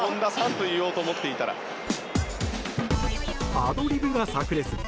アドリブが炸裂。